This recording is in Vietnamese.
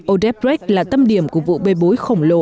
odebrecht là tâm điểm của vụ bê bối khổng lồ